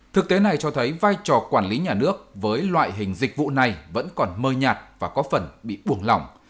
thực tế này cho thấy vai trò quản lý nhà nước với loại hình dịch vụ này vẫn còn mơ nhạt và có phần bị buồn lỏng